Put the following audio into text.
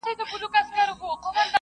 او جادوګري سترګي لرونکي ښایسته ښکلي